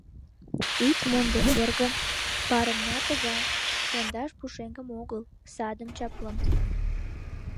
Ит мондо, эргым, парымна тыгай: Шындаш пушеҥгым огыл, — садым чаплым.